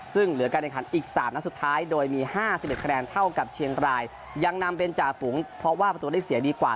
ซึ่งเหลือการแข่งขันอีก๓นัดสุดท้ายโดยมี๕๑คะแนนเท่ากับเชียงรายยังนำเป็นจ่าฝูงเพราะว่าประตูได้เสียดีกว่า